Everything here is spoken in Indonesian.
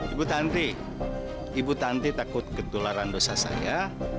ibu tanti ibu tanti takut ketularan dosa saya